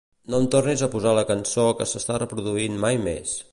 No em tornis a posar la cançó que s'està reproduint mai més.